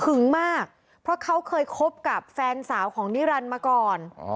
มากเพราะเขาเคยคบกับแฟนสาวของนิรันดิ์มาก่อน